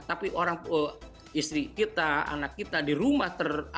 tapi istri kita anak kita di rumah